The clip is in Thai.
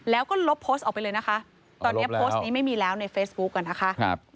แล้วก็ลบโพสต์ออกไปเลยนะคะตอนนี้โพสต์นี้ไม่มีแล้วในเฟซบุ๊กอ่ะนะคะ